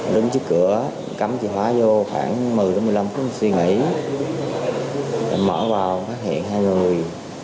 đứng trước cửa cắm chìa khóa vô khoảng một mươi đến một mươi năm phút suy nghĩ ẩn đi mở vào phát hiện hai người